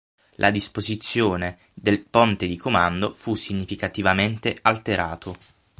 La disposizione del ponte di comando fu significativamente alterato.